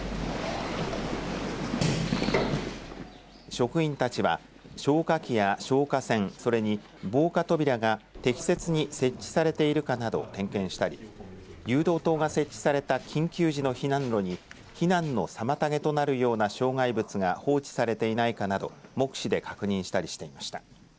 職員たちは消火器や消火栓それに防火扉が適切に設置されているかなどを点検したり誘導灯が設置された緊急時の避難路に避難の妨げとなるような障害物が放置されていないかなど目視で確認したりしていました。